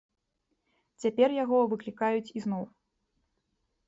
Цяпер яго выклікаюць ізноў.